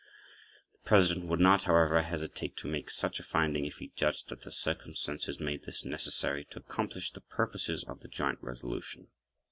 The President would not, however, hesitate to make such a finding if he judged that the circumstances made this necessary to accomplish the purposes of the joint resolution.